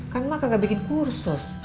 kan mak kagak bikin kursus